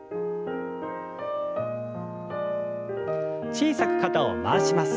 小さく肩を回します。